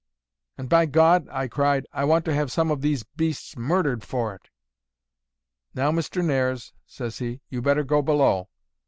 'And by God,' I cried, 'I want to have some of these beasts murdered for it!' 'Now, Mr. Nares,' says he, 'you better go below.